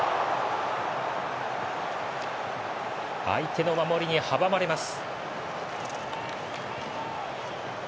相手の守りに阻まれます。